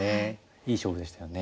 いい勝負でしたよね。